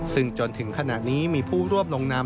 ซึ่งจนถึงขณะนี้มีผู้รวบลงนาม